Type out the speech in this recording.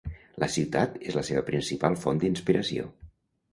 La ciutat és la seva principal font d’inspiració.